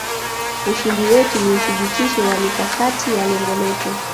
ushindi wetu ni uthibitisho wa mikakati ya lengo letu